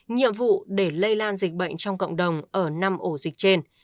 nhiệm vụ để lây lan dịch bệnh trong cộng đồng ở năm ổ dịch trên